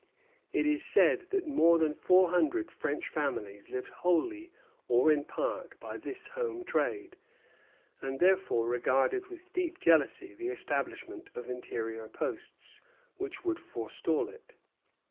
It is said that more than four hundred French families lived wholly or in part by this home trade, and therefore regarded with deep jealousy the establishment of interior posts, which would forestall it.